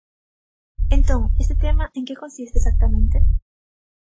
Entón, este tema ¿en que consiste exactamente?